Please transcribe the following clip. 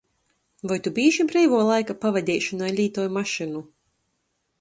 Voi Tu bīži breivuo laika pavadeišonai lītoj mašynu?